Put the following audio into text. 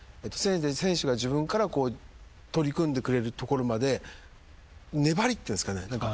選手が自分から取り組んでくれるところまで粘りっていうんですかね